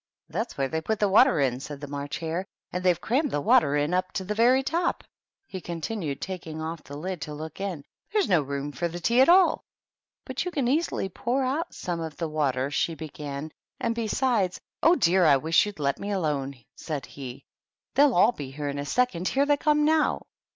" That's where they put the water in," said the March Hare; "and they've crammed the water in up to the very top," he continued, taking oflF the lid to look in. " There's no room for the tea at all." "But you can easily pour out some of the water," she began ;" and, besides " "Oh, dear! I wish you'd let me alone," said he. "They'll all be here in a second. Here they come now."